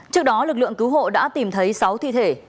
trước đó lực lượng cứu hộ đã tìm thấy sáu thi thể